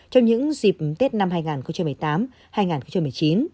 trong những dịp tết năm hai nghìn một mươi tám hai nghìn một mươi chín